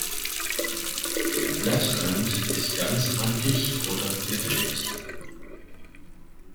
Der Blattrand ist ganzrandig oder gewellt.